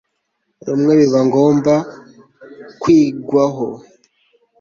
rumwe biba bigomba kwigwaho